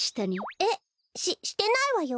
えっししてないわよ